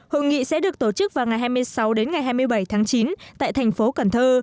hội nghị sẽ được tổ chức vào ngày hai mươi sáu đến ngày hai mươi bảy tháng chín tại thành phố cần thơ